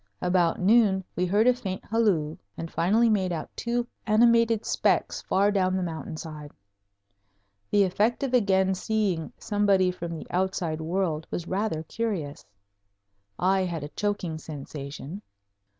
About noon we heard a faint halloo, and finally made out two animated specks far down the mountain side. The effect of again seeing somebody from the outside world was rather curious. I had a choking sensation.